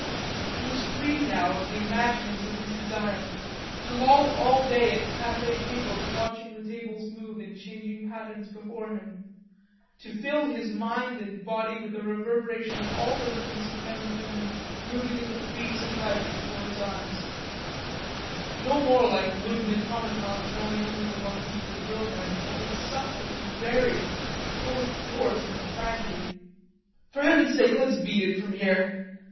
He was free now of the imaginings of his desire, to loll all day at cafe tables watching the tables move in changing patterns before him, to fill his mind and body with a reverberation of all the rhythms of men and women moving in the frieze of life before his eyes; no more like wooden automatons knowing only the motions of the drill manual, but supple and varied, full of force and tragedy. "For Heaven's sake let's beat it from here....